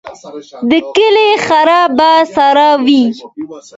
د کلي خره به څروي.